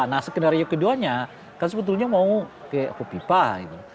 nah skenario keduanya kan sebetulnya mau ke kopipa gitu